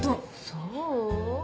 そう？